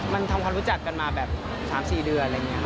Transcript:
มันทำความมุ่นจากกันมาแบบ๓๔เดือน